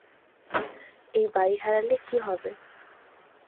এই বাড়ি হারালে কী হবে?